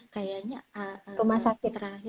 kayaknya rumah sakit